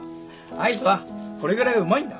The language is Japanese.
アイスはこれぐらいがうまいんだ。